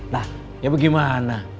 nah ya gimana